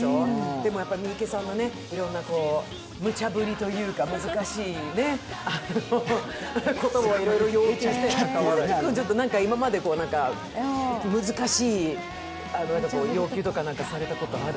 でも三池さんのいろんなむちゃぶりというか、難しいこともいろいろ要求して、何か今まで難しい要求とかされたことある？